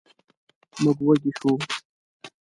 موږ وږي شوو.